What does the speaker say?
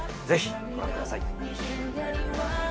ぜひご覧ください。